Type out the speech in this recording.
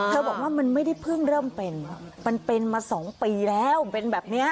บอกว่ามันไม่ได้เพิ่งเริ่มเป็นมันเป็นมา๒ปีแล้วเป็นแบบนี้